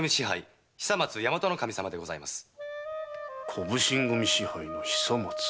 小普請組支配の久松。